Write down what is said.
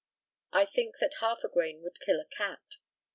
I think that half a grain would kill a cat.